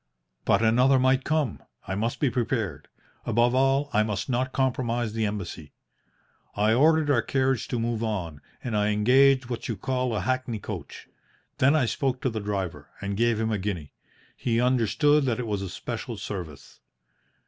"But another might come. I must be prepared. Above all, I must not compromise the Embassy. I ordered our carriage to move on, and I engaged what you call a hackney coach. Then I spoke to the driver, and gave him a guinea. He understood that it was a special service.